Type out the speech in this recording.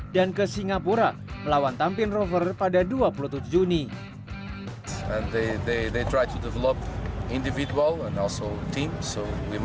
dan ke singapura melawan tampin rover pada dua puluh dua juni